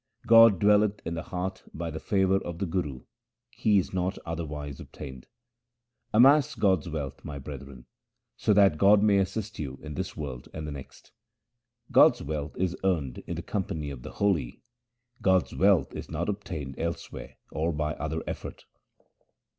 God dwelleth in the heart by the favour of the Guru ; He is not otherwise obtained. Amass God's wealth, my brethren, So that God may assist you in this world and the next. God's wealth is earned in the company of the holy ; God's wealth is not obtained elsewhere or by other effort.